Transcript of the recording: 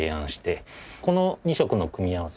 この２色の組み合わせ